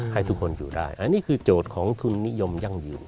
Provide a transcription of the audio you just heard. ให้ทุกคนอยู่ได้อันนี้คือโจทย์ของทุนนิยมยั่งยืน